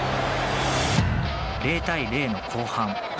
０対０の後半。